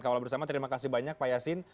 kawal bersama terima kasih banyak pak yasin